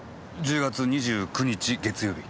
１０月２９日月曜日？